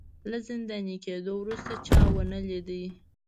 له زنداني کېدو وروسته چا ونه لید